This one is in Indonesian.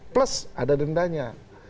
plus ada dendanya